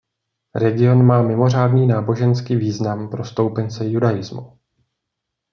Region má mimořádný náboženský význam pro stoupence judaismu.